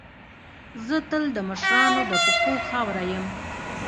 زه تل د مشرانو د پښو خاوره یم.